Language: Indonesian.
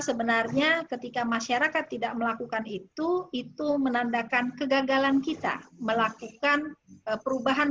sebenarnya ketika masyarakat tidak melakukan itu itu menandakan kegagalan kita melakukan perubahan